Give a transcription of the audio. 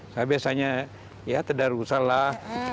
saya biasanya ya terdarah usahalah